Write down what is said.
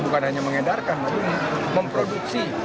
bukan hanya mengedarkan tapi memproduksi